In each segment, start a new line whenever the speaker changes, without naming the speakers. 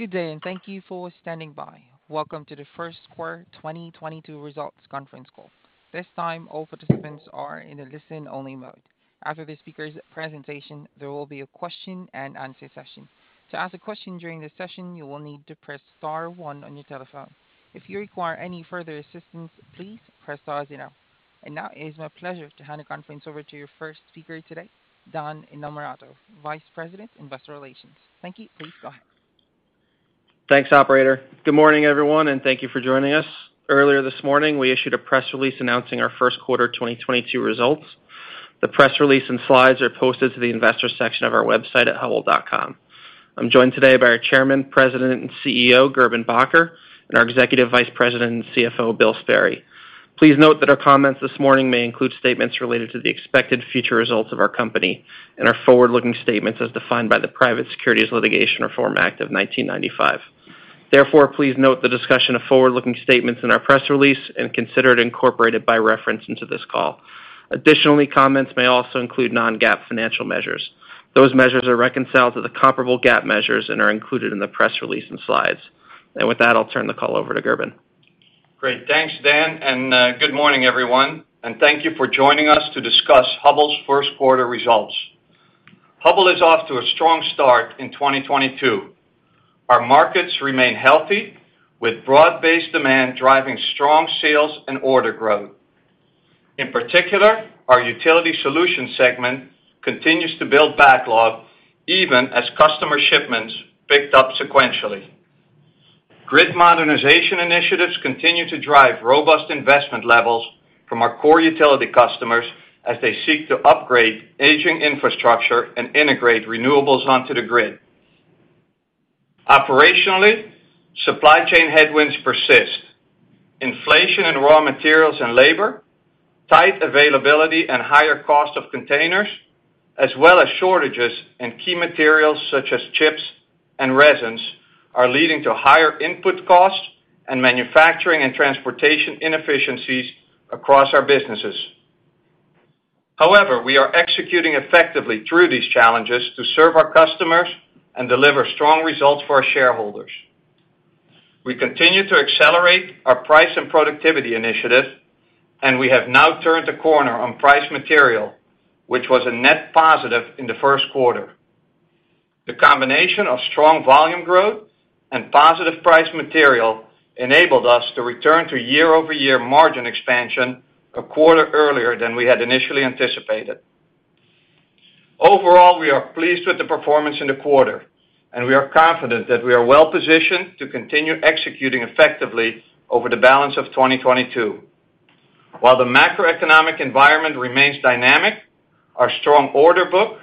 Good day, and thank you for standing by. Welcome to the first quarter 2022 results conference call. This time, all participants are in a listen-only mode. After the speaker's presentation, there will be a question and answer session. To ask a question during this session, you will need to press star one on your telephone. If you require any further assistance, please press star zero. Now it is my pleasure to hand the conference over to your first speaker today, Dan Innamorato, Senior Director, Investor Relations. Thank you. Please go ahead.
Thanks, operator. Good morning, everyone, and thank you for joining us. Earlier this morning, we issued a press release announcing our first quarter 2022 results. The press release and slides are posted to the investor section of our website at hubbell.com. I'm joined today by our Chairman, President, and CEO, Gerben Bakker, and our Executive Vice President and CFO, Bill Sperry. Please note that our comments this morning may include statements related to the expected future results of our company and are forward-looking statements as defined by the Private Securities Litigation Reform Act of 1995. Therefore, please note the discussion of forward-looking statements in our press release and consider it incorporated by reference into this call. Additionally, comments may also include non-GAAP financial measures. Those measures are reconciled to the comparable GAAP measures and are included in the press release and slides. With that, I'll turn the call over to Gerben.
Great. Thanks, Dan, and good morning, everyone, and thank you for joining us to discuss Hubbell's first quarter results. Hubbell is off to a strong start in 2022. Our markets remain healthy, with broad-based demand driving strong sales and order growth. In particular, our Utility Solutions segment continues to build backlog even as customer shipments picked up sequentially. Grid modernization initiatives continue to drive robust investment levels from our core utility customers as they seek to upgrade aging infrastructure and integrate renewables onto the grid. Operationally, supply chain headwinds persist. Inflation in raw materials and labor, tight availability and higher cost of containers, as well as shortages in key materials such as chips and resins, are leading to higher input costs and manufacturing and transportation inefficiencies across our businesses. However, we are executing effectively through these challenges to serve our customers and deliver strong results for our shareholders. We continue to accelerate our price and productivity initiative, and we have now turned a corner on price material, which was a net positive in the first quarter. The combination of strong volume growth and positive price material enabled us to return to year-over-year margin expansion a quarter earlier than we had initially anticipated. Overall, we are pleased with the performance in the quarter, and we are confident that we are well-positioned to continue executing effectively over the balance of 2022. While the macroeconomic environment remains dynamic, our strong order book,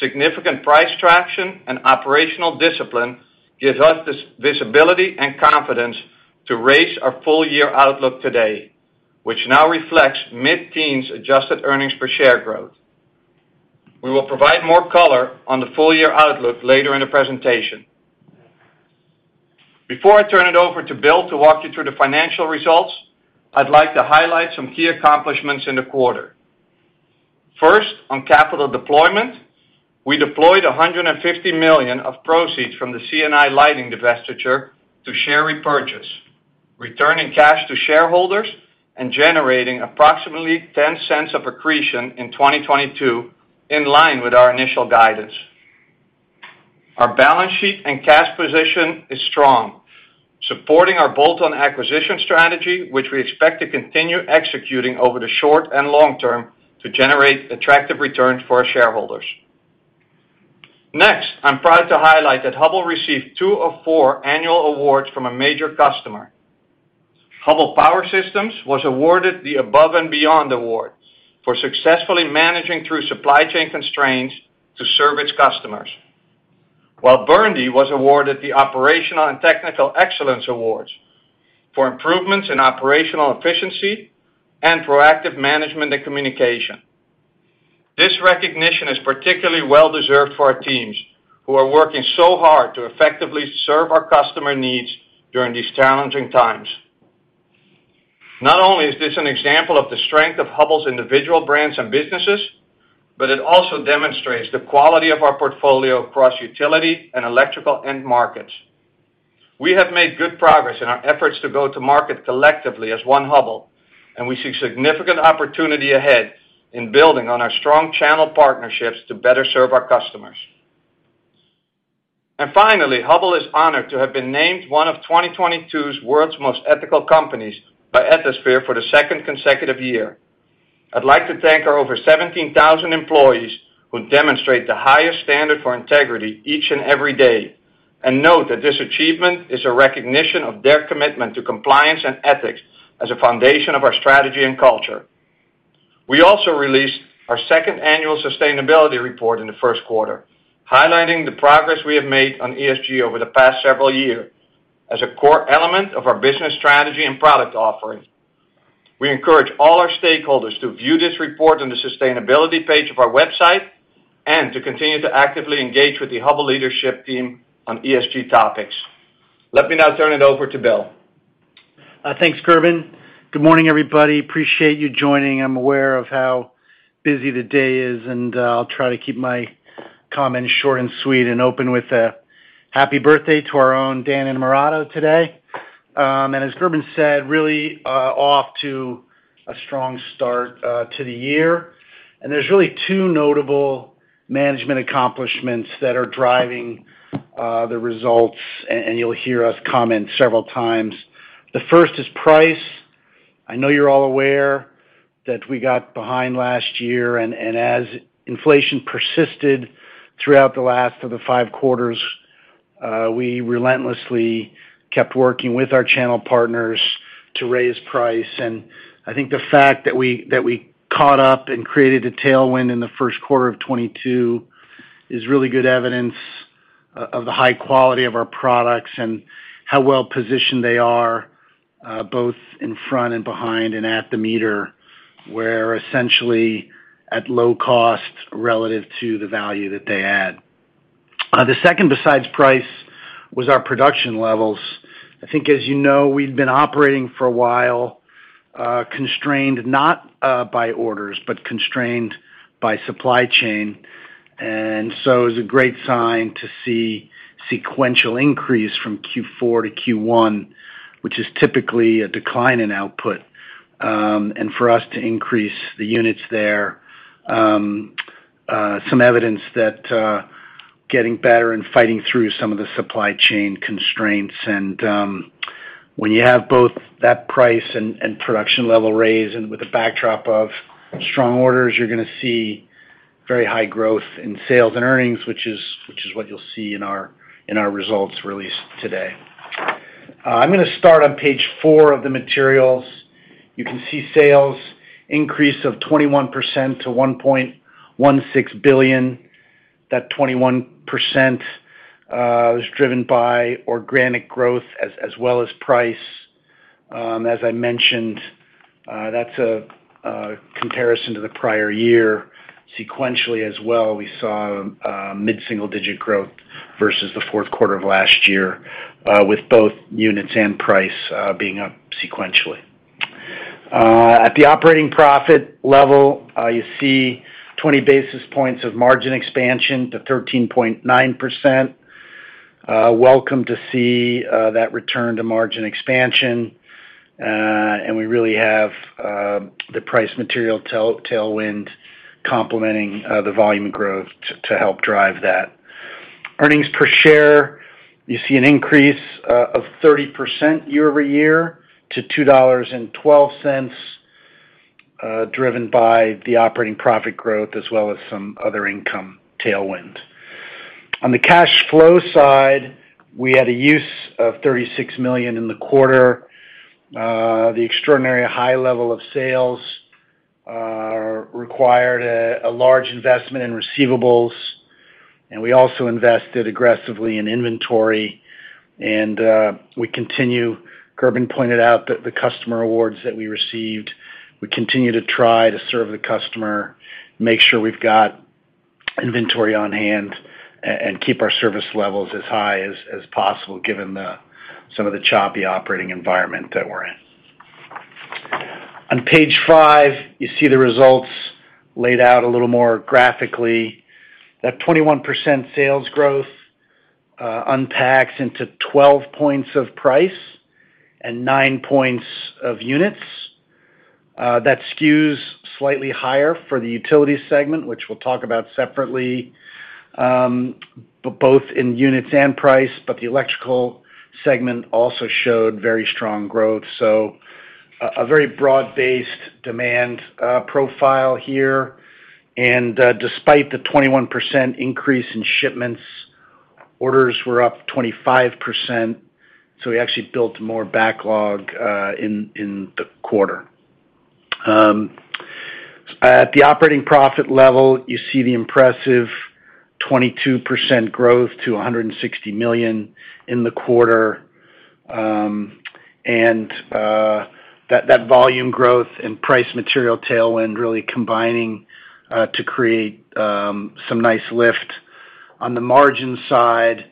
significant price traction, and operational discipline gives us this visibility and confidence to raise our full year outlook today, which now reflects mid-teens adjusted earnings per share growth. We will provide more color on the full year outlook later in the presentation. Before I turn it over to Bill to walk you through the financial results, I'd like to highlight some key accomplishments in the quarter. First, on capital deployment, we deployed $150 million of proceeds from the C&I Lighting divestiture to share repurchase, returning cash to shareholders and generating approximately $0.10 of accretion in 2022, in line with our initial guidance. Our balance sheet and cash position is strong, supporting our bolt-on acquisition strategy, which we expect to continue executing over the short and long term to generate attractive returns for our shareholders. Next, I'm proud to highlight that Hubbell received two of four annual awards from a major customer. Hubbell Power Systems was awarded the Above and Beyond award for successfully managing through supply chain constraints to serve its customers, while Burndy was awarded the Operational and Technical Excellence awards for improvements in operational efficiency and proactive management and communication. This recognition is particularly well-deserved for our teams who are working so hard to effectively serve our customer needs during these challenging times. Not only is this an example of the strength of Hubbell's individual brands and businesses, but it also demonstrates the quality of our portfolio across utility and electrical end markets. We have made good progress in our efforts to go to market collectively as One Hubbell, and we see significant opportunity ahead in building on our strong channel partnerships to better serve our customers. Finally, Hubbell is honored to have been named one of 2022's World's Most Ethical Companies by Ethisphere for the second consecutive year. I'd like to thank our over 17,000 employees who demonstrate the highest standard for integrity each and every day and note that this achievement is a recognition of their commitment to compliance and ethics as a foundation of our strategy and culture. We also released our second annual sustainability report in the first quarter, highlighting the progress we have made on ESG over the past several years as a core element of our business strategy and product offerings. We encourage all our stakeholders to view this report on the sustainability page of our website and to continue to actively engage with the Hubbell leadership team on ESG topics. Let me now turn it over to Bill.
Thanks, Gerben. Good morning, everybody. I appreciate you joining. I'm aware of how busy the day is, and I'll try to keep my comments short and sweet and open with a happy birthday to our own Dan Innamorato today. As Gerben said, really off to a strong start to the year. There's really two notable management accomplishments that are driving the results, and you'll hear us comment several times. The first is price. I know you're all aware that we got behind last year, and as inflation persisted throughout the last of the five quarters, we relentlessly kept working with our channel partners to raise price. I think the fact that we caught up and created a tailwind in the first quarter of 2022 is really good evidence of the high quality of our products and how well-positioned they are, both in front and behind and at the meter, where essentially at low cost relative to the value that they add. The second besides price was our production levels. I think as you know, we've been operating for a while, constrained not by orders, but constrained by supply chain. It was a great sign to see sequential increase from Q4 to Q1, which is typically a decline in output. For us to increase the units there, some evidence that getting better and fighting through some of the supply chain constraints. When you have both that price and production level raise and with a backdrop of strong orders, you're gonna see very high growth in sales and earnings, which is what you'll see in our results released today. I'm gonna start on page 4 of the materials. You can see sales increase of 21% to $1.16 billion. That 21% was driven by organic growth as well as price. As I mentioned, that's a comparison to the prior year. Sequentially as well, we saw mid-single digit growth versus the fourth quarter of last year, with both units and price being up sequentially. At the operating profit level, you see 20 basis points of margin expansion to 13.9%. Welcome to see that return to margin expansion. We really have the price material tailwind complementing the volume growth to help drive that. Earnings per share, you see an increase of 30% year-over-year to $2.12, driven by the operating profit growth as well as some other income tailwind. On the cash flow side, we had a use of $36 million in the quarter. The extraordinary high level of sales required a large investment in receivables, and we also invested aggressively in inventory. Gerben pointed out the customer awards that we received. We continue to try to serve the customer, make sure we've got inventory on hand and keep our service levels as high as possible given some of the choppy operating environment that we're in. On page five, you see the results laid out a little more graphically. That 21% sales growth unpacks into 12 points of price and 9 points of units. That skews slightly higher for the utility segment, which we'll talk about separately, both in units and price, but the Electrical Solutions also showed very strong growth. Very broad-based demand profile here. Despite the 21% increase in shipments, orders were up 25%, so we actually built more backlog in the quarter. At the operating profit level, you see the impressive 22% growth to $160 million in the quarter. That volume growth and price material tailwind really combining to create some nice lift. On the margin side,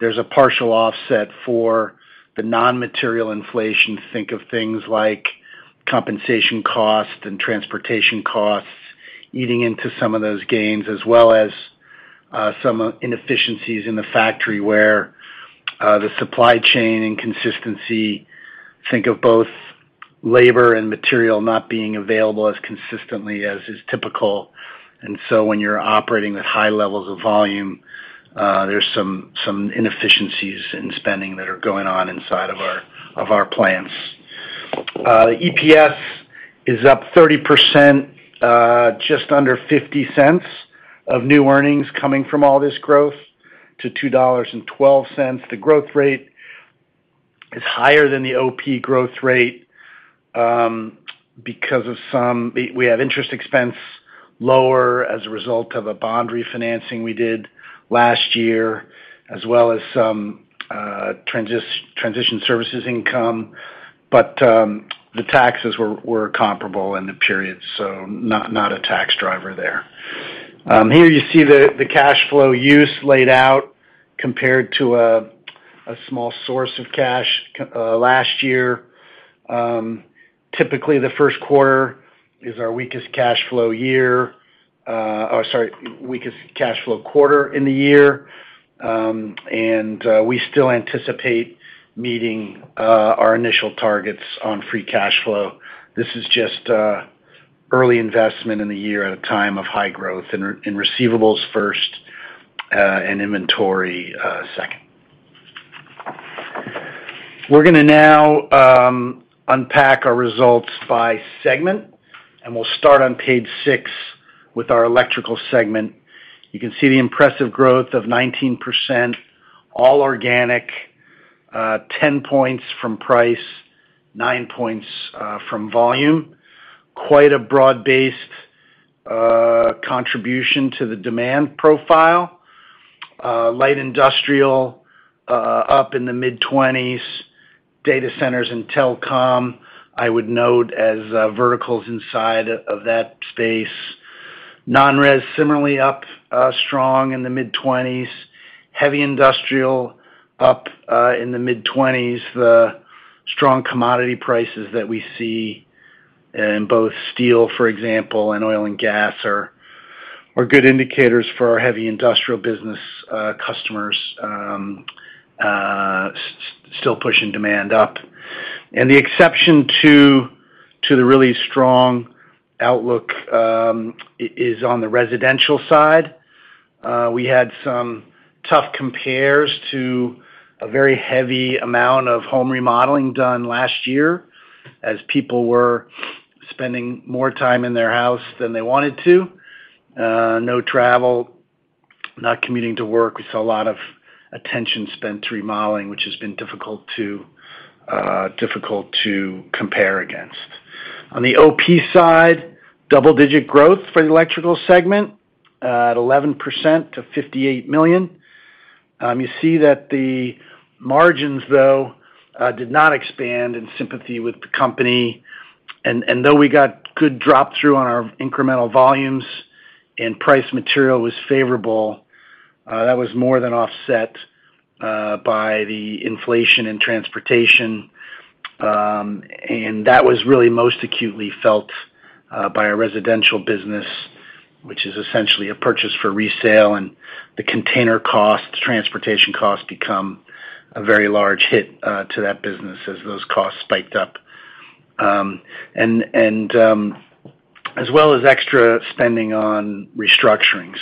there's a partial offset for the non-material inflation. Think of things like compensation costs and transportation costs eating into some of those gains, as well as some inefficiencies in the factory where the supply chain inconsistency, think of both labor and material not being available as consistently as is typical. When you're operating at high levels of volume, there's some inefficiencies in spending that are going on inside of our plants. EPS is up 30%, just under $0.50 of new earnings coming from all this growth to $2.12. The growth rate is higher than the OP growth rate, because we have interest expense lower as a result of a bond refinancing we did last year, as well as some transition services income. The taxes were comparable in the period, so not a tax driver there. Here you see the cash flow use laid out compared to a small source of cash last year. Typically, the first quarter is our weakest cash flow quarter in the year. We still anticipate meeting our initial targets on free cash flow. This is just early investment in the year at a time of high growth in receivables first, and inventory second. We're gonna now unpack our results by segment, and we'll start on page 6 with our Electrical Solutions. You can see the impressive growth of 19%, all organic, 10 points from price, 9 points from volume. Quite a broad-based contribution to the demand profile. Light industrial up in the mid-20s%. Data centers and telecom, I would note as verticals inside of that space. Non-res, similarly up strong in the mid-20s%. Heavy industrial up in the mid-20s%. The strong commodity prices that we see in both steel, for example, and oil and gas are good indicators for our heavy industrial business customers still pushing demand up. The exception to the really strong outlook is on the residential side. We had some tough compares to a very heavy amount of home remodeling done last year as people were spending more time in their house than they wanted to. No travel, not commuting to work. We saw a lot of attention spent remodeling, which has been difficult to compare against. On the OP side, double-digit growth for the Electrical Solutions at 11% to $58 million. You see that the margins, though, did not expand in sympathy with the company. Though we got good drop through on our incremental volumes and price material was favorable, that was more than offset by the inflation in transportation. That was really most acutely felt by our residential business, which is essentially a purchase for resale, and the container costs, transportation costs become a very large hit to that business as those costs spiked up, as well as extra spending on restructuring.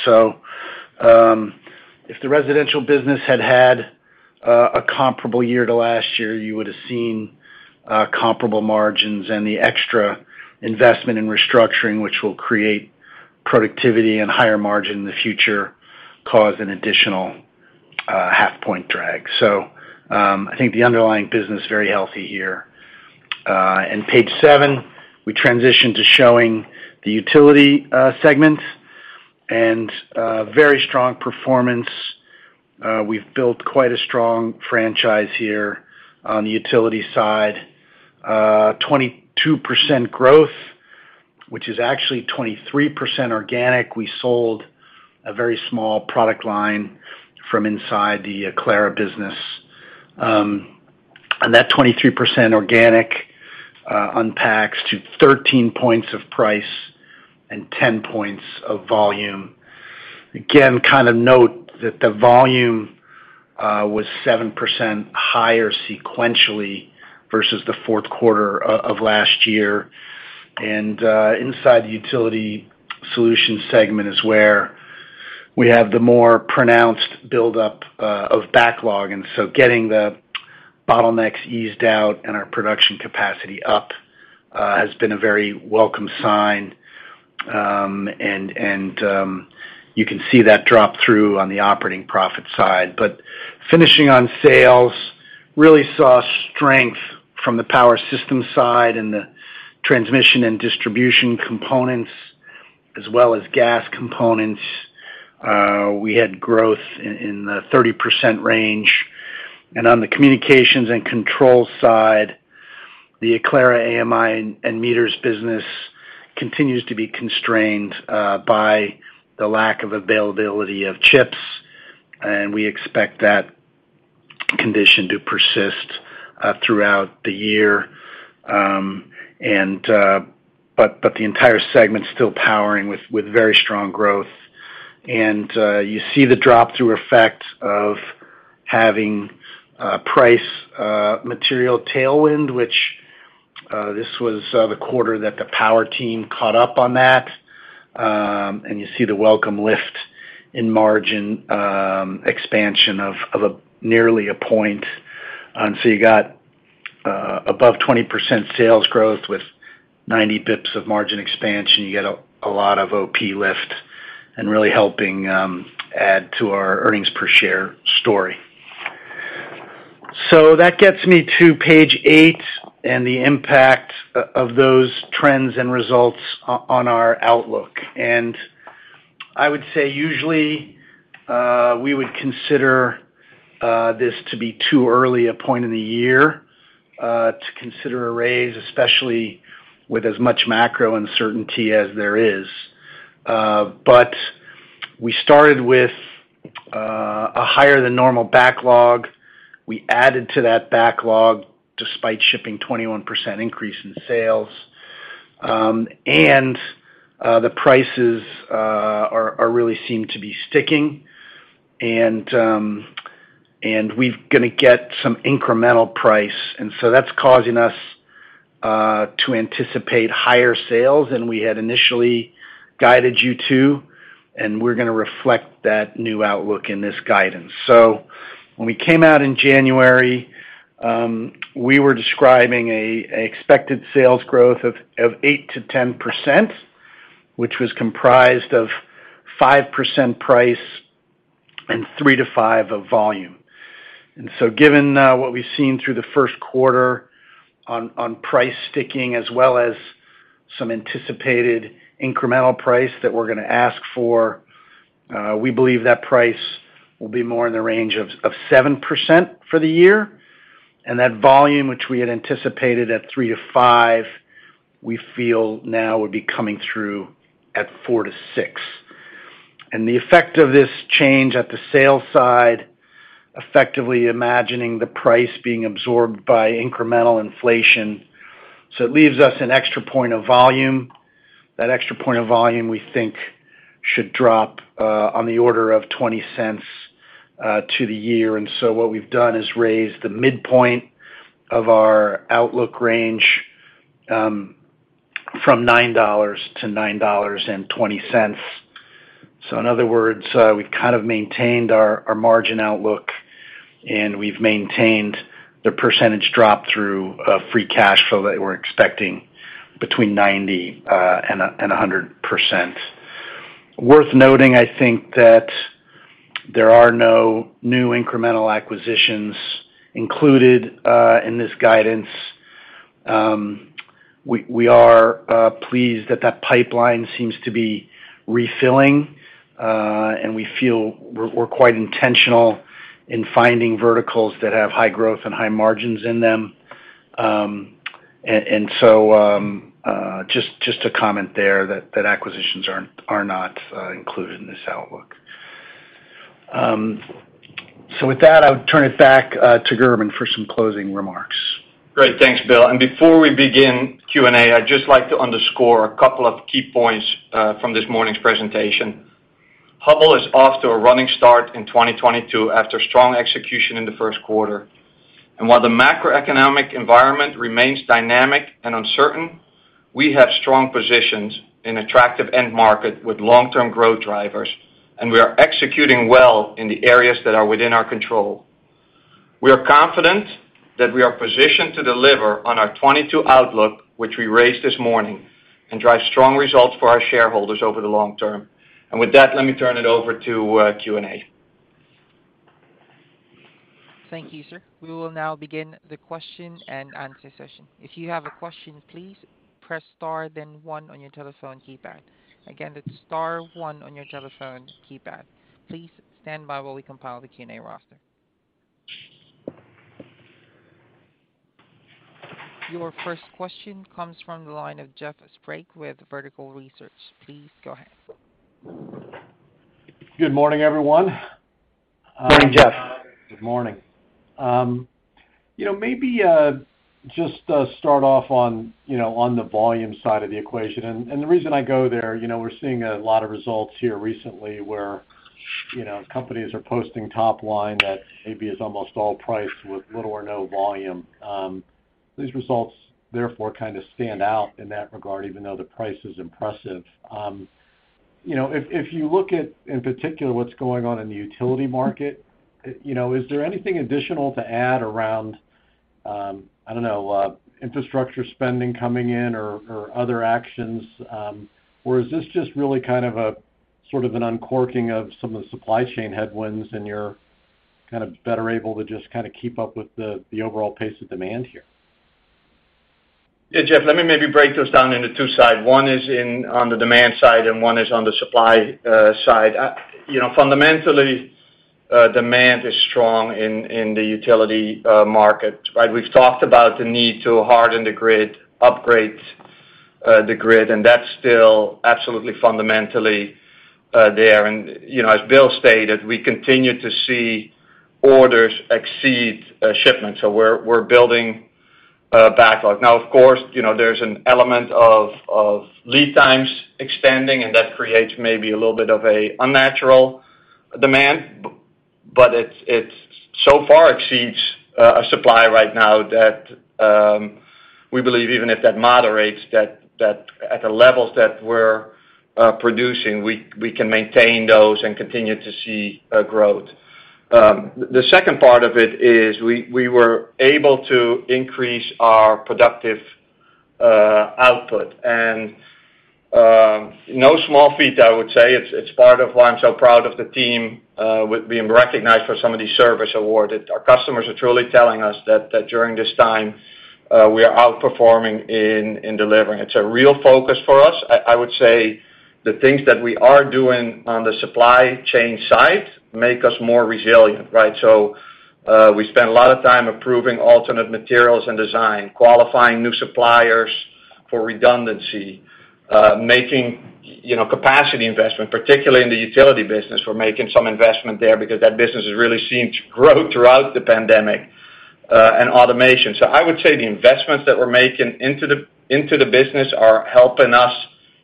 If the residential business had had a comparable year to last year, you would have seen comparable margins and the extra investment in restructuring, which will create productivity and higher margin in the future, cause an additional half point drag. I think the underlying business very healthy here. Page seven, we transition to showing the utility segment and very strong performance. We've built quite a strong franchise here on the utility side. 22% growth, which is actually 23% organic. We sold a very small product line from inside the Aclara business. That 23% organic unpacks to 13 points of price and 10 points of volume. Again, kind of note that the volume was 7% higher sequentially versus the fourth quarter of last year. Inside the Utility Solutions segment is where we have the more pronounced buildup of backlog. Getting the bottlenecks eased out and our production capacity up has been a very welcome sign. You can see that drop through on the operating profit side. Finishing on sales, really saw strength from the Power Systems side and the transmission and distribution components as well as gas components. We had growth in the 30% range. On the communications and control side, the Aclara AMI and Meters business continues to be constrained by the lack of availability of chips, and we expect that condition to persist throughout the year. The entire segment's still powering with very strong growth. You see the drop through effect of having price material tailwind, which this was the quarter that the power team caught up on that. You see the welcome lift in margin expansion of nearly a point. You got above 20% sales growth with 90 basis points of margin expansion. You get a lot of OP lift and really helping add to our earnings per share story. That gets me to page 8 and the impact of those trends and results on our outlook. I would say, usually, we would consider this to be too early a point in the year to consider a raise, especially with as much macro uncertainty as there is. We started with a higher than normal backlog. We added to that backlog despite shipping 21% increase in sales. The prices really seem to be sticking and we're gonna get some incremental price. That's causing us to anticipate higher sales than we had initially guided you to, and we're gonna reflect that new outlook in this guidance. When we came out in January, we were describing an expected sales growth of 8%-10%, which was comprised of 5% price and 3%-5% of volume. Given what we've seen through the first quarter on price sticking as well as some anticipated incremental price that we're gonna ask for, we believe that price will be more in the range of 7% for the year. That volume which we had anticipated at 3-5, we feel now would be coming through at 4-6. The effect of this change on the sales side, effectively meaning the price being absorbed by incremental inflation, so it leaves us an extra point of volume. That extra point of volume, we think, should drop on the order of $0.20 to the year. What we've done is raise the midpoint of our outlook range from $9-$9.20. In other words, we've kind of maintained our margin outlook, and we've maintained the percentage drop through free cash flow that we're expecting between 90% and 100%. Worth noting, I think, that there are no new incremental acquisitions included in this guidance. We are pleased that pipeline seems to be refilling, and we feel we're quite intentional in finding verticals that have high growth and high margins in them. Just to comment there that acquisitions are not included in this outlook. With that, I'll turn it back to Gerben for some closing remarks.
Great. Thanks, Bill. Before we begin Q&A, I'd just like to underscore a couple of key points from this morning's presentation. Hubbell is off to a running start in 2022 after strong execution in the first quarter. While the macroeconomic environment remains dynamic and uncertain, we have strong positions in attractive end market with long-term growth drivers, and we are executing well in the areas that are within our control. We are confident that we are positioned to deliver on our 2022 outlook, which we raised this morning, and drive strong results for our shareholders over the long term. With that, let me turn it over to Q&A.
Thank you, sir. We will now begin the question and answer session. If you have a question, please press star then one on your telephone keypad. Again, it's star one on your telephone keypad. Please stand by while we compile the Q&A roster. Your first question comes from the line of Jeff Sprague with Vertical Research. Please go ahead.
Good morning, everyone.
Morning, Jeff.
Good morning.
You know, maybe just start off on, you know, on the volume side of the equation. The reason I go there, you know, we're seeing a lot of results here recently where, you know, companies are posting top line that maybe is almost all price with little or no volume. These results therefore kind of stand out in that regard, even though the price is impressive. You know, if you look at in particular what's going on in the utility market, you know, is there anything additional to add around, I don't know, infrastructure spending coming in or other actions? Or is this just really kind of a sort of an uncorking of some of the supply chain headwinds, and you're kind of better able to just kinda keep up with the overall pace of demand here?
Yeah, Jeff, let me maybe break those down into two sides. One is in, on the demand side, and one is on the supply side. You know, fundamentally, demand is strong in the utility market, right? We've talked about the need to harden the grid, upgrade the grid, and that's still absolutely fundamentally there. You know, as Bill stated, we continue to see orders exceed shipments, so we're building a backlog. Now, of course, you know, there's an element of lead times extending, and that creates maybe a little bit of an unnatural demand, but it so far exceeds supply right now that we believe even if that moderates, that at the levels that we're producing, we can maintain those and continue to see growth. The second part of it is we were able to increase our productive output. No small feat, I would say. It's part of why I'm so proud of the team with being recognized for some of these service award. That our customers are truly telling us that during this time we are outperforming in delivering. It's a real focus for us. I would say the things that we are doing on the supply chain side make us more resilient, right? We spend a lot of time approving alternate materials and design, qualifying new suppliers for redundancy, making you know capacity investment, particularly in the utility business. We're making some investment there because that business has really seemed to grow throughout the pandemic and automation. I would say the investments that we're making into the business are helping us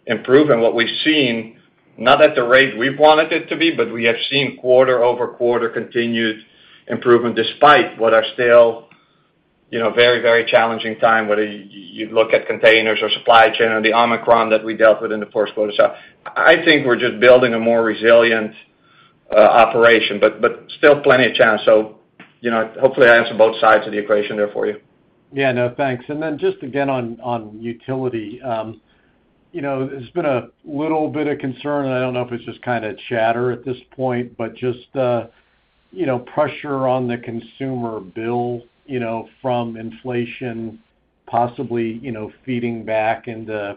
improve. And what we've seen, not at the rate we've wanted it to be, but we have seen quarter-over-quarter continued improvement despite what are still, you know, very, very challenging times, whether you look at containers or supply chain or the Omicron that we dealt with in the first quarter. I think we're just building a more resilient operation, but still plenty of chance. You know, hopefully I answered both sides of the equation there for you.
Yeah, no, thanks. Just again on utility. You know, there's been a little bit of concern, and I don't know if it's just kind of chatter at this point, but just, you know, pressure on the consumer bill, you know, from inflation possibly, you know, feeding back into,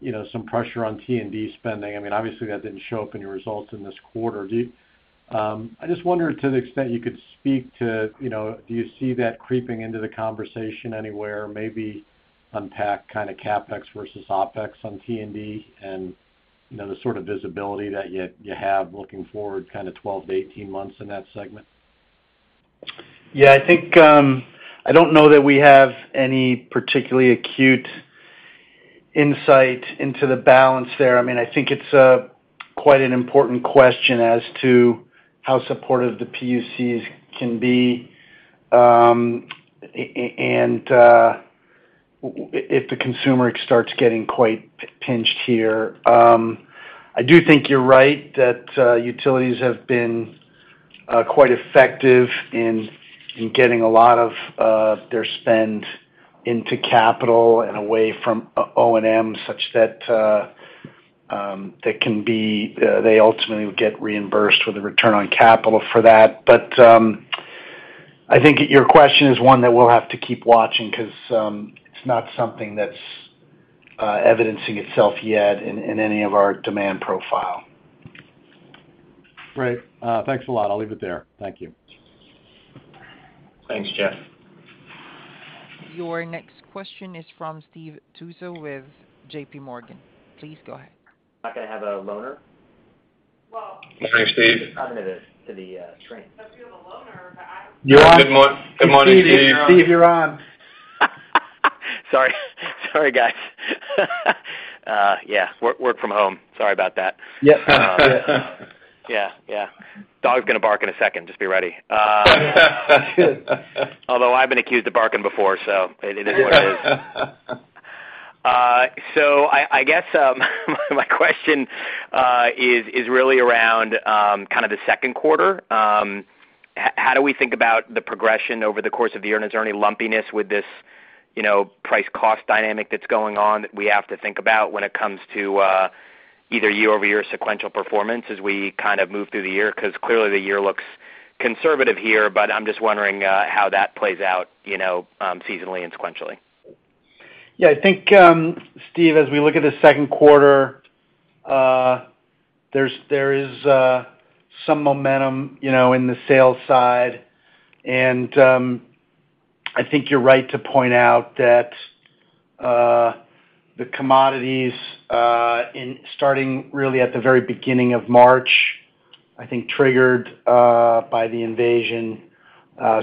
you know, some pressure on T&D spending. I mean, obviously that didn't show up in your results in this quarter. Do you, I just wondered to the extent you could speak to, you know, do you see that creeping into the conversation anywhere? Maybe unpack kind of CapEx versus OpEx on T&D and, you know, the sort of visibility that you have looking forward kind of 12-18 months in that segment.
Yeah, I think I don't know that we have any particularly acute insight into the balance there. I mean, I think it's quite an important question as to how supportive the PUCs can be, and if the consumer starts getting quite pinched here. I do think you're right that utilities have been quite effective in getting a lot of their spend into capital and away from O&M such that they ultimately would get reimbursed with a return on capital for that. I think your question is one that we'll have to keep watching 'cause it's not something that's evidencing itself yet in any of our demand profile.
Great. Thanks a lot. I'll leave it there. Thank you.
Thanks, Jeff.
Your next question is from Steve Tusa with J.P. Morgan. Please go ahead.
Not gonna have a loaner?
Thanks, Steve.
To the train.
Unless you have a loaner, but I don't.
You're on.
Good morning, Steve.
Steve, you're on.
Sorry. Sorry, guys. Yeah, work from home. Sorry about that.
Yep.
Yeah, yeah. Dog's gonna bark in a second. Just be ready. Although I've been accused of barking before, so it is what it is. So I guess my question is really around kind of the second quarter. How do we think about the progression over the course of the year? Is there any lumpiness with this, you know, price cost dynamic that's going on that we have to think about when it comes to either year-over-year sequential performance as we kind of move through the year? 'Cause clearly the year looks conservative here, but I'm just wondering how that plays out, you know, seasonally and sequentially.
Yeah, I think, Steve, as we look at the second quarter, there is some momentum, you know, in the sales side. I think you're right to point out that the commodities in starting really at the very beginning of March, I think triggered by the invasion,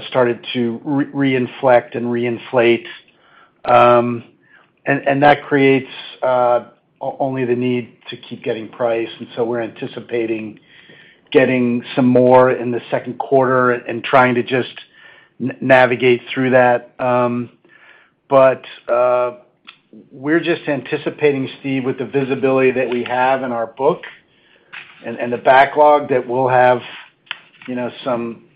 started to reinflate. That creates only the need to keep getting price. We're anticipating getting some more in the second quarter and trying to just navigate through that. We're just anticipating, Steve, with the visibility that we have in our book and the backlog that we'll have, you know, some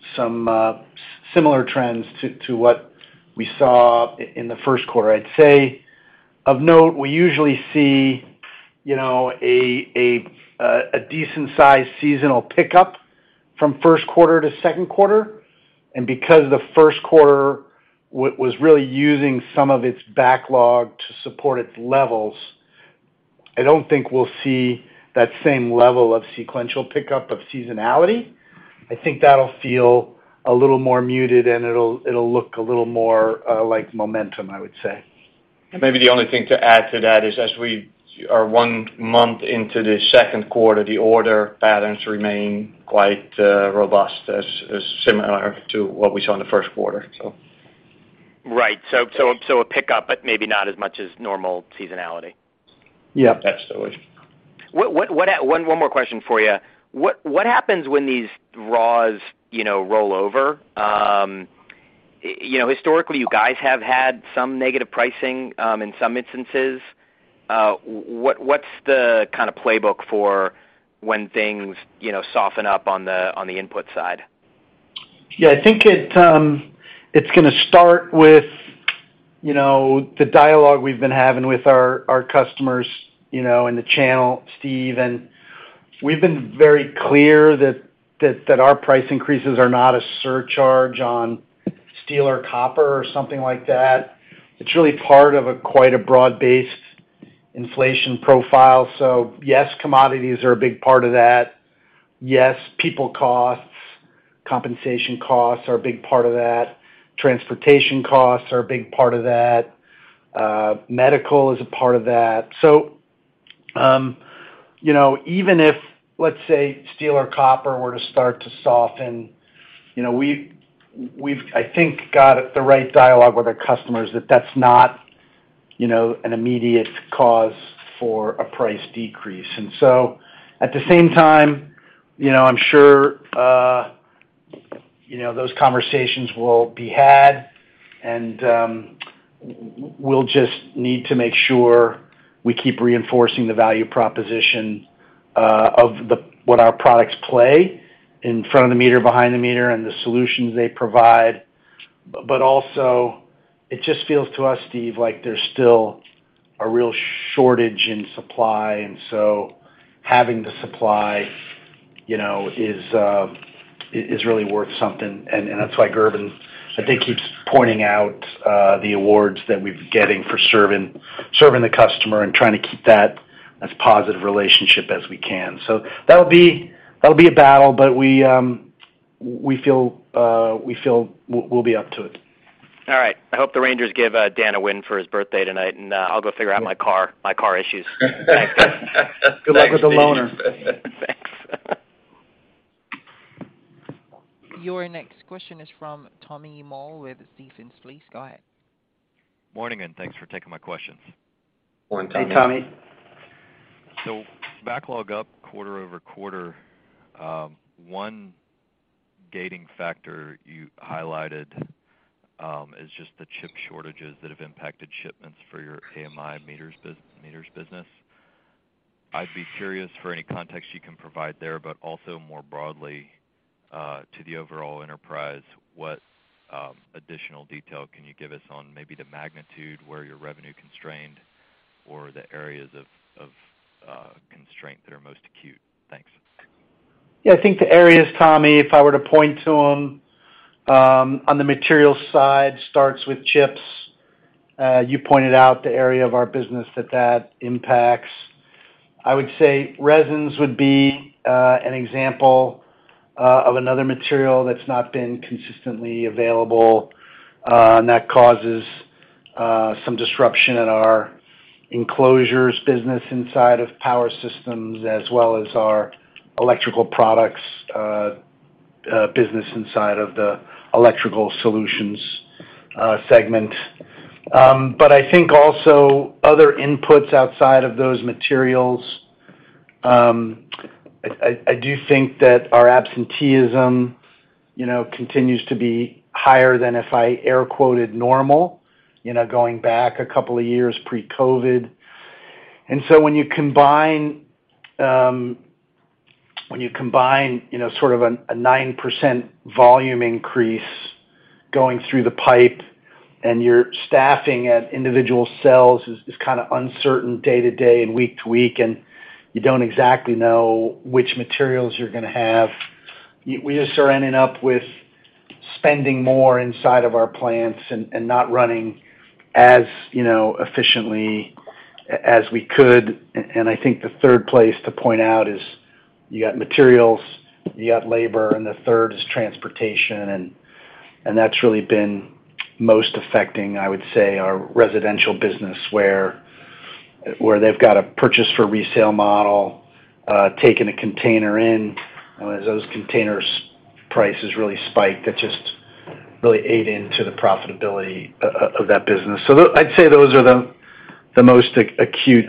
similar trends to what we saw in the first quarter. I'd say of note, we usually see, you know, a decent size seasonal pickup from first quarter to second quarter. Because the first quarter was really using some of its backlog to support its levels, I don't think we'll see that same level of sequential pickup of seasonality. I think that'll feel a little more muted, and it'll look a little more like momentum, I would say.
Maybe the only thing to add to that is as we are one month into the second quarter, the order patterns remain quite robust as similar to what we saw in the first quarter, so.
Right. A pickup, but maybe not as much as normal seasonality.
Yeah.
That's the way.
One more question for you. What happens when these raws, you know, roll over? You know, historically you guys have had some negative pricing in some instances. What's the kind of playbook for when things, you know, soften up on the input side?
Yeah, I think it's gonna start with you know the dialogue we've been having with our customers you know and the channel, Steve. We've been very clear that our price increases are not a surcharge on steel or copper or something like that. It's really part of quite a broad-based inflation profile. Yes, commodities are a big part of that. Yes, people costs, compensation costs are a big part of that. Transportation costs are a big part of that. Medical is a part of that. You know even if let's say steel or copper were to start to soften you know we've I think got the right dialogue with our customers that's not you know an immediate cause for a price decrease. At the same time, you know, I'm sure, you know, those conversations will be had, and we'll just need to make sure we keep reinforcing the value proposition of what our products play in front of the meter, behind the meter and the solutions they provide. But also it just feels to us, Steve, like there's still a real shortage in supply, and so having the supply, you know, is really worth something. That's why Gerben, I think, keeps pointing out the awards that we've been getting for serving the customer and trying to keep that as positive relationship as we can. That'll be a battle. But we feel we'll be up to it.
All right. I hope the Rangers give Dan a win for his birthday tonight, and I'll go figure out my car issues.
Thanks.
Good luck with the loaner.
Thanks.
Your next question is from Tommy Moll with Stephens. Go ahead.
Morning, and thanks for taking my questions.
Morning, Tommy.
Hey, Tommy.
Backlog up quarter-over-quarter. One gating factor you highlighted is just the chip shortages that have impacted shipments for your AMI meters bus-meters business. I'd be curious for any context you can provide there, but also more broadly to the overall enterprise, what additional detail can you give us on maybe the magnitude where you're revenue constrained or the areas of constraint that are most acute? Thanks.
Yeah. I think the areas, Tommy, if I were to point to them, on the material side, starts with chips. You pointed out the area of our business that impacts. I would say resins would be an example of another material that's not been consistently available, and that causes some disruption at our enclosures business inside of Power Systems as well as our electrical products business inside of the Electrical Solutions segment. But I think also other inputs outside of those materials, I do think that our absenteeism, you know, continues to be higher than if I air quoted normal, you know, going back a couple of years pre-COVID. When you combine, you know, sort of a 9% volume increase going through the pipe and your staffing at individual cells is kind of uncertain day to day and week to week, and you don't exactly know which materials you're gonna have, we just are ending up with spending more inside of our plants and not running as, you know, efficiently as we could. I think the third place to point out is you got materials, you got labor, and the third is transportation. That's really been most affecting, I would say, our residential business, where they've got a purchase for resale model, taking a container in. As those container prices really spike, that just really ate into the profitability of that business. I'd say those are the most acute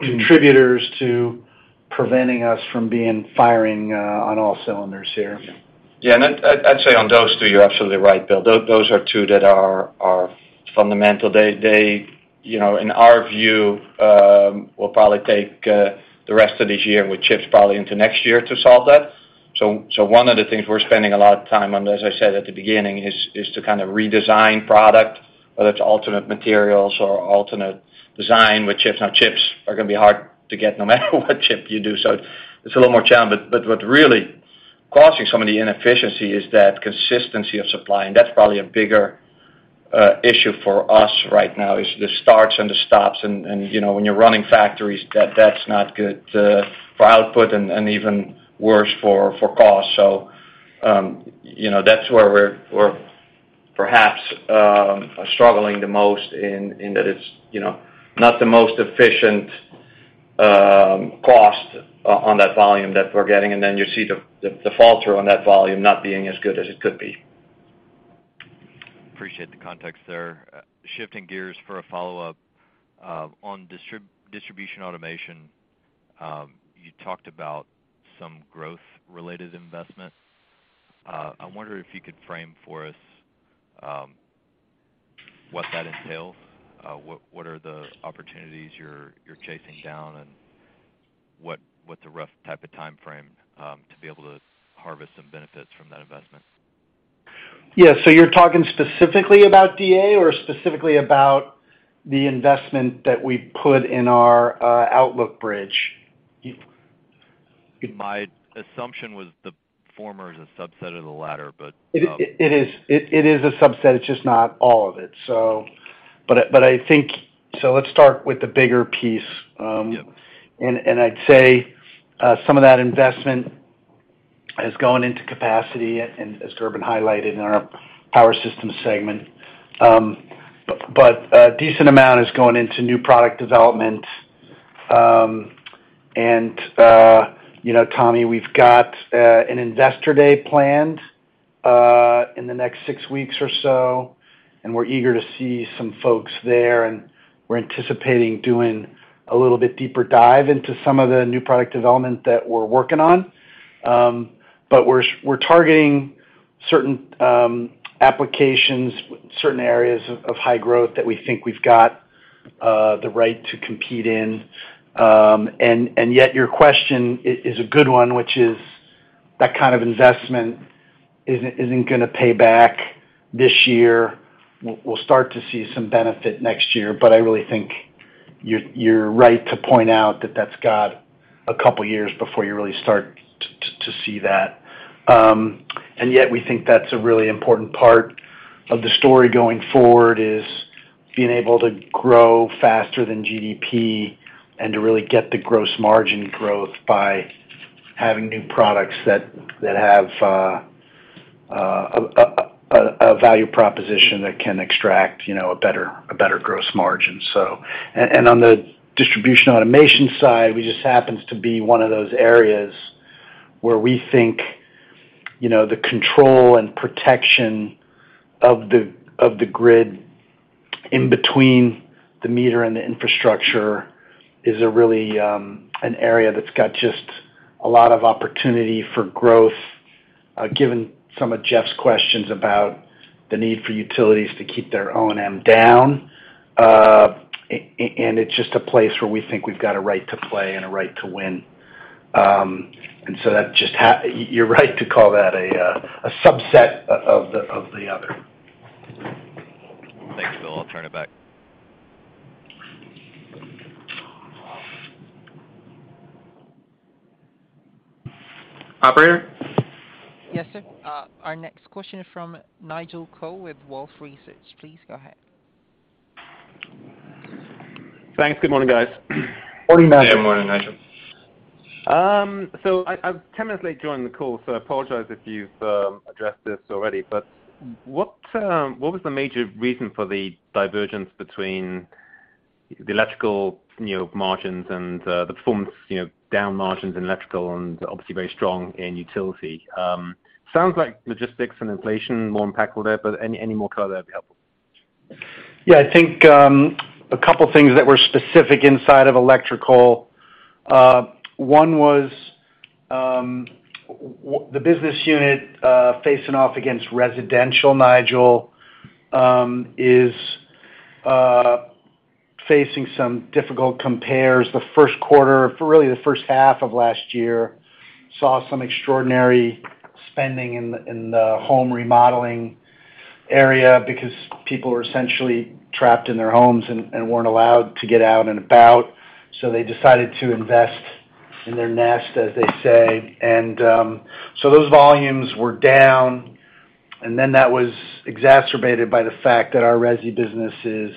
contributors to preventing us from firing on all cylinders here.
Yeah. I'd say on those two, you're absolutely right, Bill. Those are two that are fundamental. They, you know, in our view, will probably take the rest of this year with chips probably into next year to solve that. One of the things we're spending a lot of time on, as I said at the beginning, is to kind of redesign product, whether it's alternate materials or alternate design with chips. Now, chips are gonna be hard to get no matter what chip you do. It's a little more challenging. What really causing some of the inefficiency is that consistency of supply. That's probably a bigger issue for us right now, is the starts and the stops. You know, when you're running factories, that's not good for output and even worse for cost. You know, that's where we're perhaps are struggling the most in that it's you know not the most efficient cost on that volume that we're getting. You see the falter on that volume not being as good as it could be.
Appreciate the context there. Shifting gears for a follow-up on distribution automation. You talked about some growth-related investment. I wonder if you could frame for us what that entails, what are the opportunities you're chasing down and what the rough type of timeframe to be able to harvest some benefits from that investment?
Yeah. You're talking specifically about DA or specifically about the investment that we put in our outlook bridge?
My assumption was the former is a subset of the latter, but.
It is a subset. It's just not all of it. But I think let's start with the bigger piece.
Yeah.
I'd say some of that investment is going into capacity and, as Gerben highlighted, in our power systems segment. A decent amount is going into new product development. You know, Tommy, we've got an investor day planned in the next six weeks or so, and we're eager to see some folks there, and we're anticipating doing a little bit deeper dive into some of the new product development that we're working on. We're targeting certain applications, certain areas of high growth that we think we've got the right to compete in. Yet your question is a good one, which is that kind of investment isn't gonna pay back this year. We'll start to see some benefit next year, but I really think you're right to point out that that's got a couple years before you really start to see that. Yet we think that's a really important part of the story going forward, is being able to grow faster than GDP and to really get the gross margin growth by having new products that have a value proposition that can extract, you know, a better gross margin. On the distribution automation side, we just happen to be one of those areas where we think, you know, the control and protection of the grid in between the meter and the infrastructure is a really an area that's got just a lot of opportunity for growth, given some of Jeff's questions about the need for utilities to keep their O&M down. It's just a place where we think we've got a right to play and a right to win. You're right to call that a subset of the other.
Thanks, Bill. I'll turn it back.
Operator?
Yes, sir. Our next question from Nigel Coe with Wolfe Research. Please go ahead.
Thanks. Good morning, guys.
Morning, Nigel. Good morning, Nigel.
I'm 10 minutes late joining the call, so I apologize if you've addressed this already. What was the major reason for the divergence between the electrical, you know, margins and the performance, you know, down margins in electrical and obviously very strong in utility? Sounds like logistics and inflation more impactful there, but any more color would be helpful.
I think a couple things that were specific inside of electrical. One was the business unit facing off against residential, Nigel, is facing some difficult compares. The first quarter, really the first half of last year, saw some extraordinary spending in the home remodeling area because people were essentially trapped in their homes and weren't allowed to get out and about, so they decided to invest in their nest, as they say. So those volumes were down, and then that was exacerbated by the fact that our resi business is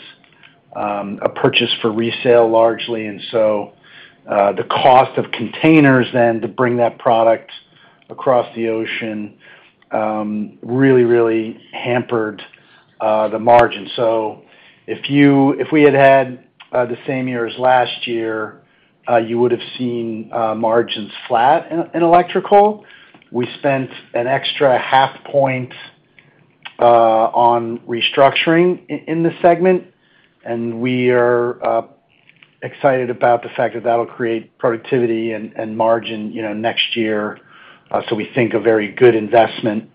a purchase for resale largely. The cost of containers then to bring that product across the ocean really hampered the margin. If we had had the same year as last year, you would've seen margins flat in Electrical. We spent an extra half point on restructuring in this segment, and we are excited about the fact that that'll create productivity and margin, you know, next year, so we think a very good investment.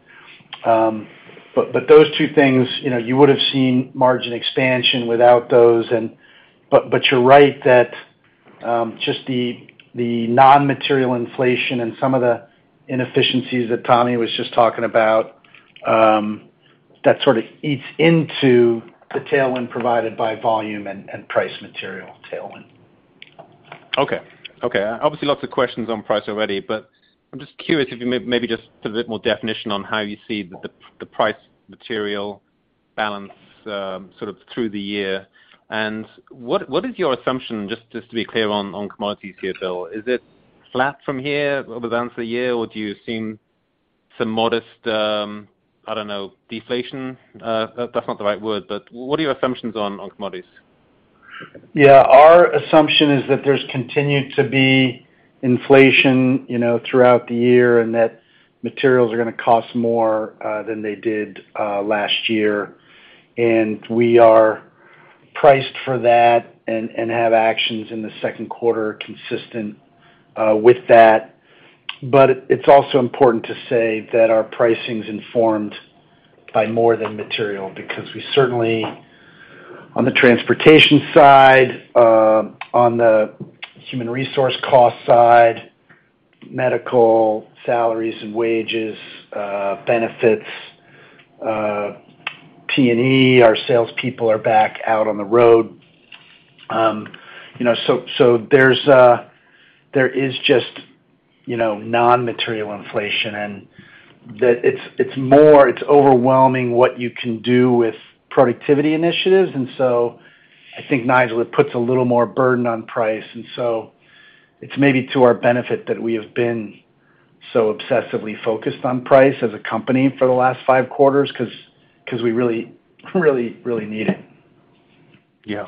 Those two things, you know, you would've seen margin expansion without those. You're right that just the non-material inflation and some of the inefficiencies that Tommy was just talking about, that sort of eats into the tailwind provided by volume and price, material tailwind.
Okay. Obviously, lots of questions on price already, but I'm just curious if you maybe just put a bit more definition on how you see the price material balance sort of through the year. What is your assumption, just to be clear on commodities here, Bill? Is it flat from here over the balance of the year, or do you assume some modest, I don't know, deflation? That's not the right word, but what are your assumptions on commodities?
Yeah. Our assumption is that there's continued to be inflation, you know, throughout the year, and that materials are gonna cost more than they did last year. We are priced for that and have actions in the second quarter consistent with that. It's also important to say that our pricing's informed by more than material, because we certainly, on the transportation side, on the human resource cost side, medical salaries and wages, benefits, T&E, our salespeople are back out on the road. You know, so there's there is just, you know, non-material inflation and that it's more. It's overwhelming what you can do with productivity initiatives. I think, Nigel, it puts a little more burden on price. It's maybe to our benefit that we have been so obsessively focused on price as a company for the last five quarters, 'cause we really need it.
Yeah.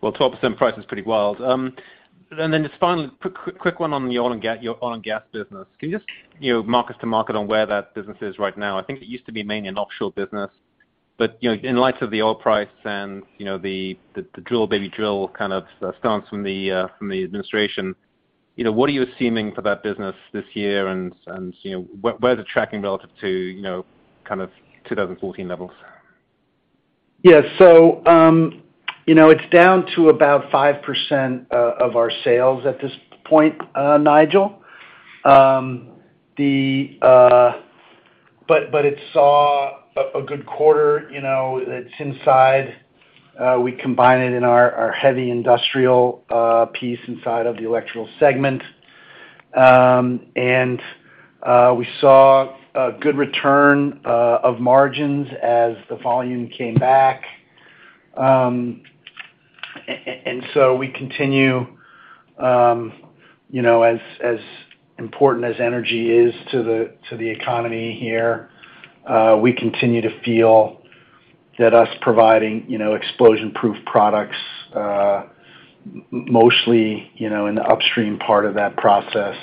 Well, 12% price is pretty wild. And then just finally, quick one on your oil and gas business. Can you just, you know, mark us to market on where that business is right now? I think it used to be mainly an offshore business, but, you know, in light of the oil price and, you know, the drill baby drill kind of stance from the administration, you know, what are you assuming for that business this year and, you know, where is it tracking relative to, you know, kind of 2014 levels?
It's down to about 5% of our sales at this point, Nigel. It saw a good quarter, you know. It's inside, we combine it in our heavy industrial piece inside of the Electrical Solutions. We saw a good return of margins as the volume came back. We continue, you know, as important as energy is to the economy here, we continue to feel that us providing, you know, explosion-proof products, mostly, you know, in the upstream part of that process,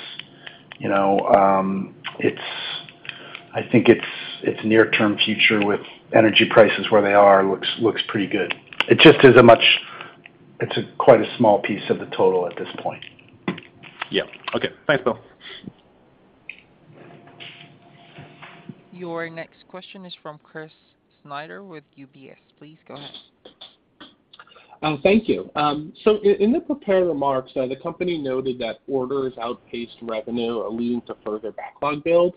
you know, I think it's near-term future with energy prices where they are looks pretty good. It's quite a small piece of the total at this point.
Yeah. Okay. Thanks, Bill.
Your next question is from Chris Snyder with UBS. Please go ahead.
Thank you. In the prepared remarks, the company noted that orders outpaced revenue, alluding to further backlog build.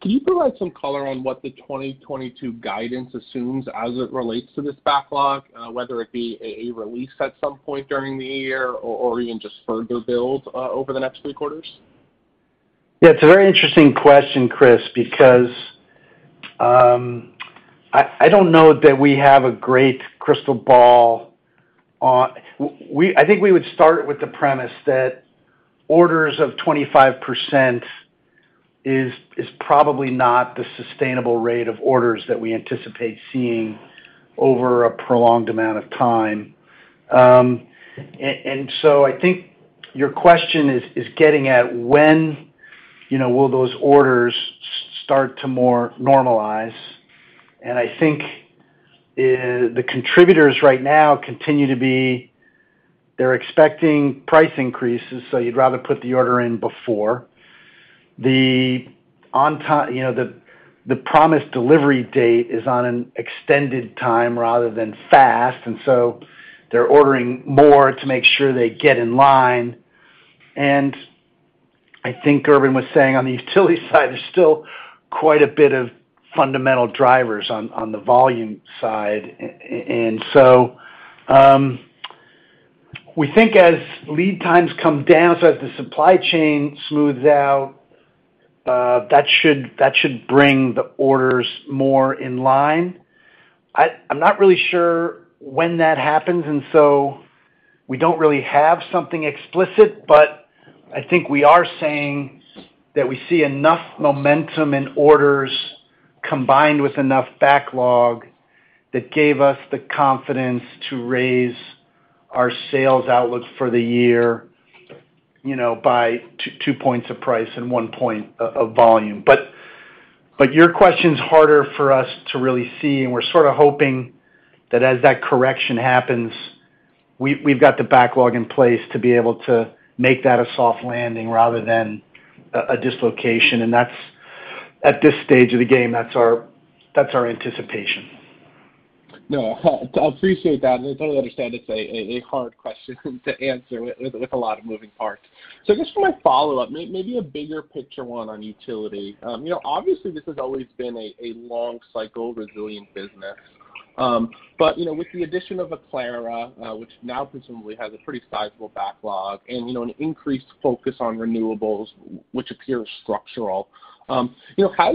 Can you provide some color on what the 2022 guidance assumes as it relates to this backlog, whether it be a release at some point during the year or even just further build over the next three quarters?
Yeah. It's a very interesting question, Chris, because I don't know that we have a great crystal ball. I think we would start with the premise that orders of 25% is probably not the sustainable rate of orders that we anticipate seeing over a prolonged amount of time. I think your question is getting at when, you know, will those orders start to more normalize? I think the contributors right now continue to be they're expecting price increases, so you'd rather put the order in before. You know, the promised delivery date is on an extended time rather than fast, and so they're ordering more to make sure they get in line. I think Gerben was saying on the utility side there's still quite a bit of fundamental drivers on the volume side. We think as lead times come down, so as the supply chain smooths out, that should bring the orders more in line. I'm not really sure when that happens, and so we don't really have something explicit, but I think we are saying that we see enough momentum in orders combined with enough backlog that gave us the confidence to raise our sales outlook for the year, you know, by two points of price and one point of volume. Your question's harder for us to really see, and we're sort of hoping that as that correction happens, we've got the backlog in place to be able to make that a soft landing rather than a dislocation. That's, at this stage of the game, that's our anticipation.
No. I appreciate that, and I totally understand it's a hard question to answer with a lot of moving parts. So just for my follow-up, maybe a bigger picture one on utility. You know, obviously this has always been a long cycle resilient business. But you know, with the addition of Aclara, which now presumably has a pretty sizable backlog and, you know, an increased focus on renewables, which appears structural, you know, how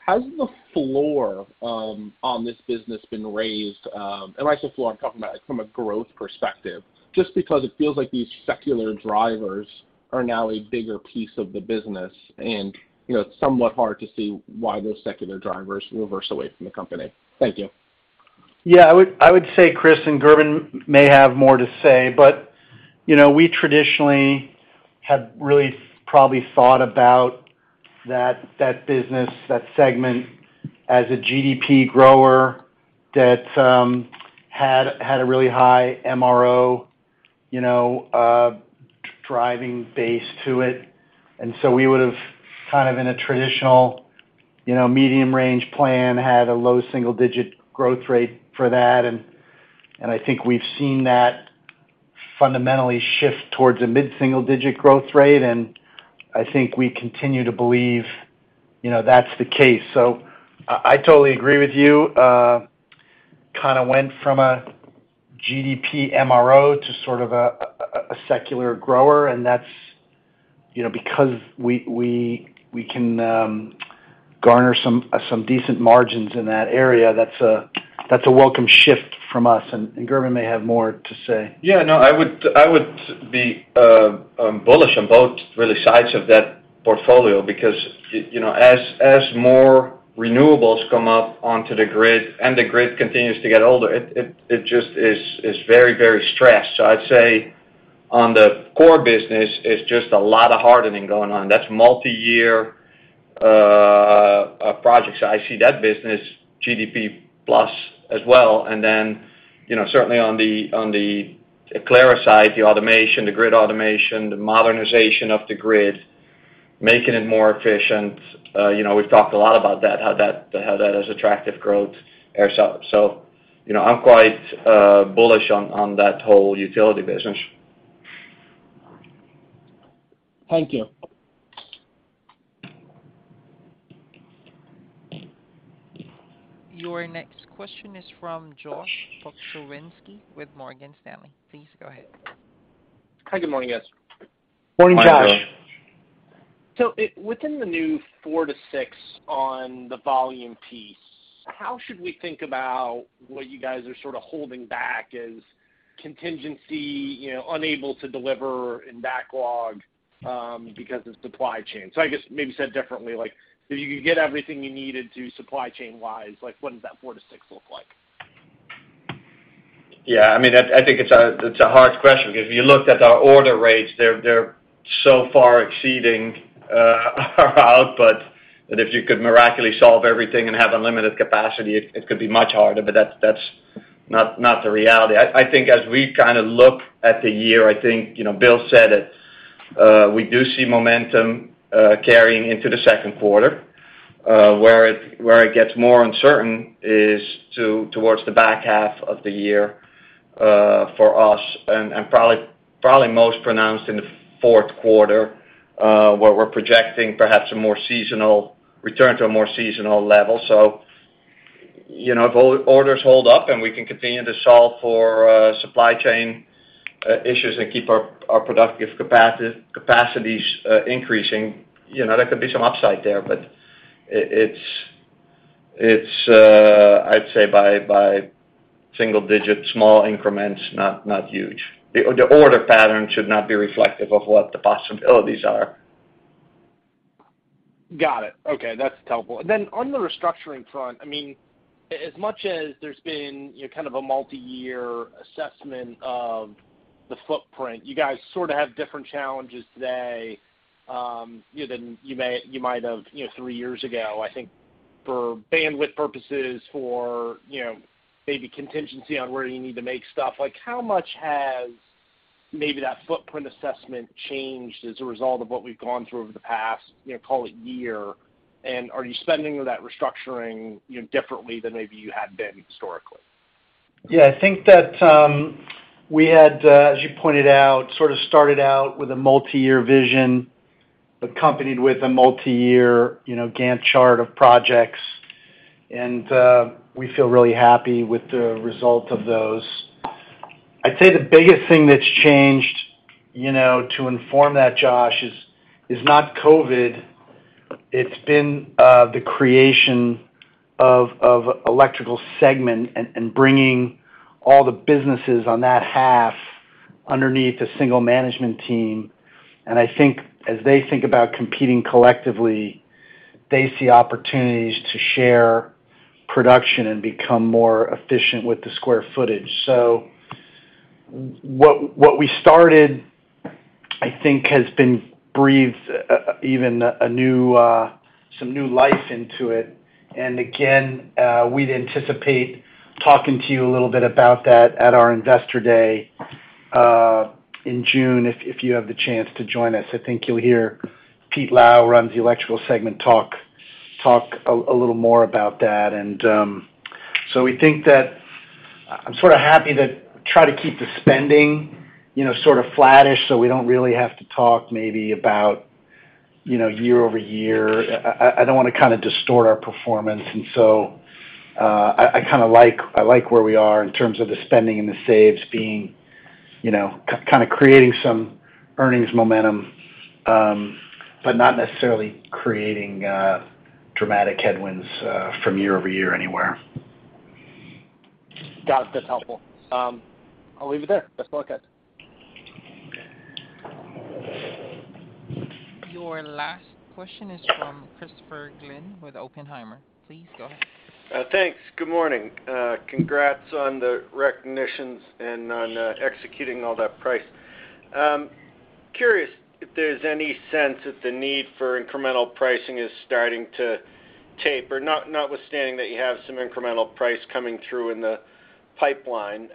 has the floor on this business been raised. By, say, floor, I'm talking about it from a growth perspective. Just because it feels like these secular drivers are now a bigger piece of the business and, you know, it's somewhat hard to see why those secular drivers reverse away from the company. Thank you.
Yeah. I would say, Chris, and Gerben may have more to say, but you know, we traditionally have really probably thought about that business, that segment as a GDP grower that had a really high MRO driving base to it. So we would have kind of in a traditional medium-range plan had a low single-digit growth rate for that. I think we've seen that fundamentally shift towards a mid-single-digit growth rate. I think we continue to believe you know that's the case. I totally agree with you. Kinda went from a GDP MRO to sort of a secular grower, and that's you know because we can garner some decent margins in that area. That's a welcome shift from us. Gerben may have more to say.
Yeah, no, I would be bullish on both really sides of that portfolio because you know, as more renewables come up onto the grid and the grid continues to get older, it just is very stressed. I'd say on the core business is just a lot of hardening going on. That's multiyear projects. I see that business GDP plus as well. Then, you know, certainly on the Aclara side, the automation, the grid automation, the modernization of the grid, making it more efficient, you know, we've talked a lot about that, how that has attractive growth ourselves. You know, I'm quite bullish on that whole utility business.
Thank you.
Your next question is from Josh Pokrzywinski with Morgan Stanley. Please go ahead.
Hi, good morning, guys.
Morning, Josh.
Morning, Josh.
Within the new 4-6 on the volume piece, how should we think about what you guys are sort of holding back as contingency, you know, unable to deliver in backlog, because of supply chain? I guess maybe said differently, like if you could get everything you needed to supply chain-wise, like what does that 4-6 look like?
Yeah, I mean, I think it's a hard question because if you looked at our order rates, they're so far exceeding our output that if you could miraculously solve everything and have unlimited capacity, it could be much harder, but that's not the reality. I think as we kind of look at the year, I think, you know, Bill said it, we do see momentum carrying into the second quarter. Where it gets more uncertain is towards the back half of the year, for us and probably most pronounced in the fourth quarter, where we're projecting perhaps a more seasonal return to a more seasonal level. You know, if orders hold up and we can continue to solve for supply chain issues and keep our productive capacities increasing, you know, there could be some upside there. But it's, I'd say by single digit small increments, not huge. The order pattern should not be reflective of what the possibilities are.
Got it. Okay, that's helpful. On the restructuring front, I mean, as much as there's been, you know, kind of a multi-year assessment of the footprint, you guys sort of have different challenges today, you know, than you might have, you know, three years ago, I think, for bandwidth purposes, for, you know, maybe contingency on where you need to make stuff. Like, how much has maybe that footprint assessment changed as a result of what we've gone through over the past, you know, call it year, and are you spending that restructuring, you know, differently than maybe you had been historically?
Yeah, I think that we had, as you pointed out, sort of started out with a multi-year vision accompanied with a multi-year, you know, Gantt chart of projects, and we feel really happy with the result of those. I'd say the biggest thing that's changed, you know, to inform that, Josh, is not COVID. It's been the creation of Electrical Solutions and bringing all the businesses on that half underneath a single management team. I think as they think about competing collectively, they see opportunities to share production and become more efficient with the square footage. What we started, I think, has been breathed new life into it. Again, we'd anticipate talking to you a little bit about that at our Investor Day in June if you have the chance to join us. I think you'll hear Pete Lau runs the Electrical Solutions talk a little more about that. We think that I'm sort of happy to try to keep the spending, you know, sort of flattish, so we don't really have to talk maybe about, you know, year-over-year. I don't wanna kinda distort our performance. I kinda like where we are in terms of the spending and the saves being, you know, kind of creating some earnings momentum, but not necessarily creating dramatic headwinds from year-over-year anywhere.
Got it. That's helpful. I'll leave it there. Thanks a lot, guys.
Your last question is from Christopher Glynn with Oppenheimer. Please go ahead.
Thanks. Good morning. Congrats on the recognitions and on executing all that price. Curious if there's any sense that the need for incremental pricing is starting to taper. Notwithstanding that you have some incremental price coming through in the pipeline,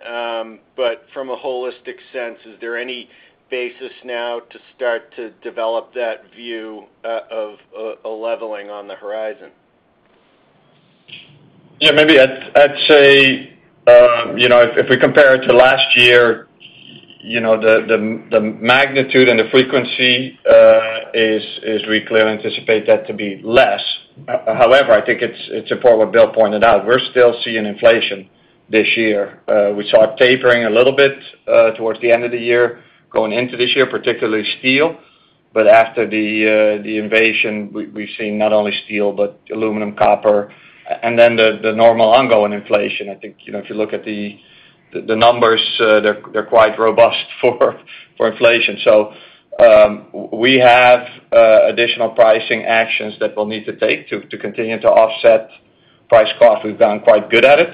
but from a holistic sense, is there any basis now to start to develop that view of a leveling on the horizon?
Maybe I'd say, if we compare it to last year, the magnitude and the frequency we clearly anticipate that to be less. However, I think it's important what Bill pointed out. We're still seeing inflation this year. We saw it tapering a little bit towards the end of the year going into this year, particularly steel. After the invasion, we've seen not only steel, but aluminum, copper, and then the normal ongoing inflation. I think if you look at the numbers, they're quite robust for inflation. We have additional pricing actions that we'll need to take to continue to offset price cost. We've gotten quite good at it.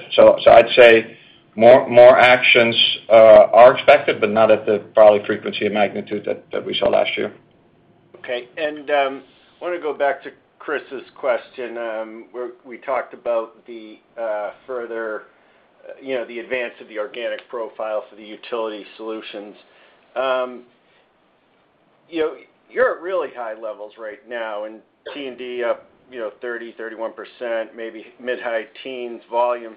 I'd say more actions are expected, but not at the probable frequency and magnitude that we saw last year.
Okay. Wanna go back to Chris's question, where we talked about the further, you know, the advance of the organic profile for the Utility Solutions. You know, you're at really high levels right now in T&D up, you know, 30%-31%, maybe mid- to high-teens volume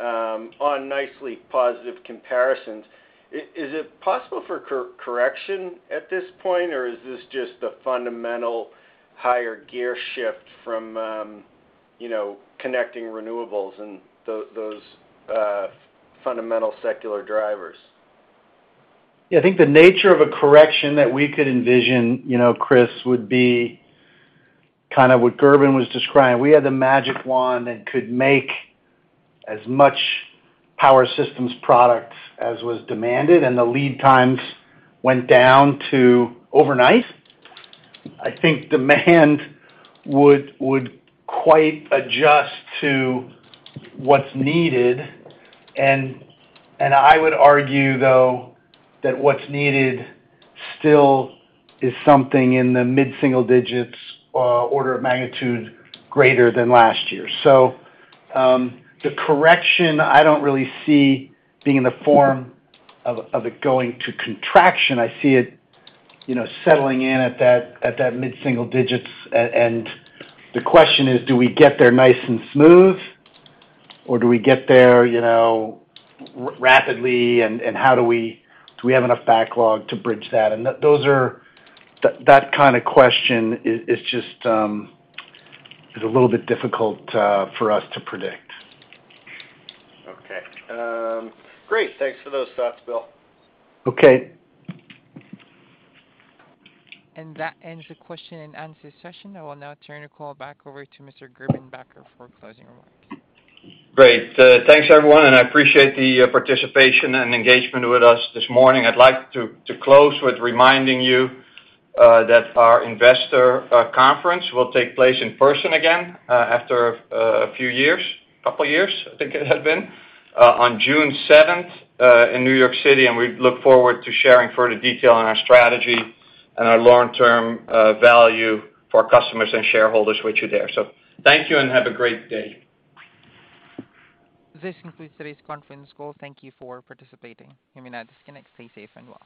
on nicely positive comparisons. Is it possible for correction at this point, or is this just the fundamental higher gear shift from, you know, connecting renewables and those fundamental secular drivers?
Yeah, I think the nature of a correction that we could envision, you know, Chris, would be kind of what Gerben was describing. We had the magic wand and could make as much power systems products as was demanded, and the lead times went down to overnight. I think demand would quite adjust to what's needed. I would argue, though, that what's needed still is something in the mid-single digits order of magnitude greater than last year. The correction I don't really see being in the form of it going to contraction. I see it, you know, settling in at that mid-single digits. The question is, do we get there nice and smooth, or do we get there, you know, rapidly, and how do we have enough backlog to bridge that? That kind of question is just a little bit difficult for us to predict.
Okay. Great. Thanks for those thoughts, Bill.
Okay.
That ends the question and answer session. I will now turn the call back over to Mr. Gerben Bakker for closing remarks.
Great. Thanks, everyone, and I appreciate the participation and engagement with us this morning. I'd like to close with reminding you that our investor conference will take place in person again after a few years, a couple years, I think it had been, on June seventh in New York City, and we look forward to sharing further detail on our strategy and our long-term value for customers and shareholders with you there. Thank you and have a great day.
This concludes today's conference call. Thank you for participating. You may now disconnect. Stay safe and well.